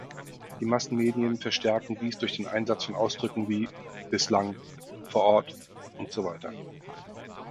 Die Massenmedien verstärken dies durch den Einsatz von Ausdrücken wie "bislang", "vor Ort" usw.